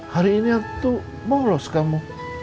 hari ini tuh moros kamu